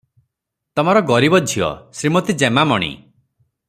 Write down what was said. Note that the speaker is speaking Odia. ତମର ଗରିବ ଝିଅ, ଶ୍ରୀମତୀ ଜେମାମଣି